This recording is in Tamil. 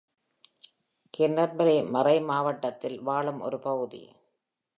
கேன்டர்பரி மறைமாவட்டத்தில் வாழும் ஒரு பகுதி.